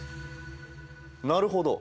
なるほど。